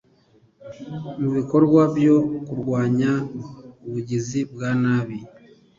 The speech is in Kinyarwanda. mu bikorwa byo kurwanya ubugizi bwa nabi